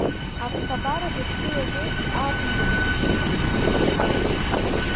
Аԥсабара, быҵкы иаҵәеиԥш, ааԥын маҭәа ашәуп.